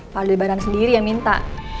pak aldebaran sendiri yang minta